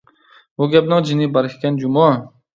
بۇ گەپنىڭ جىنى بار ئىكەن جۇمۇ!